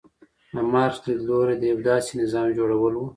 د مارکس لیدلوری د یو داسې نظام جوړول و.